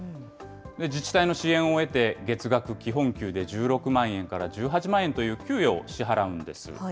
自治体の支援を得て、月額基本給で１６万円から１８万円という給与を支払うんです。